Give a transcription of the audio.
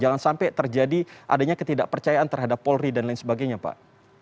jangan sampai terjadi adanya ketidakpercayaan terhadap polri dan lain sebagainya pak